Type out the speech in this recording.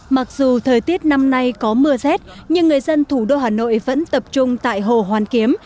mặc dù thời tiết năm nay có mưa rét nhưng người dân thủ đô hà nội vẫn tập trung tại hồ hoàn kiếm